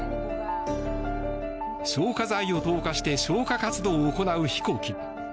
消火剤を投下して消火活動を行う飛行機。